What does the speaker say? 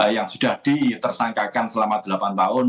yang sudah ditersangkakan selama delapan tahun